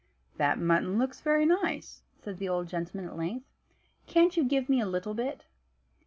"That mutton looks very nice," said the old gentleman at length. "Can't you give me a little bit?"